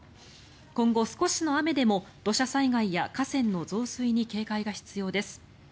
今後、少しの雨でも土砂災害や河川の増水に警戒が必要です。